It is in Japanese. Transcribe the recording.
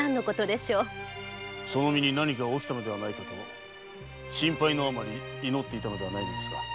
その身に何か起きたのではないか心配のあまり祈っていたのではないのですか。